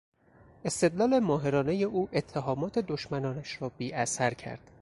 استدلال ماهرانهی او اتهامات دشمنانش را بیاثر کرد.